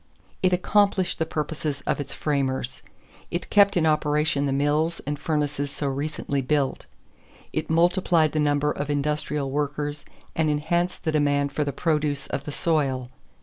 It accomplished the purposes of its framers. It kept in operation the mills and furnaces so recently built. It multiplied the number of industrial workers and enhanced the demand for the produce of the soil.